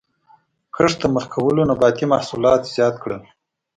کښت ته مخه کولو نباتي محصولات زیات کړل.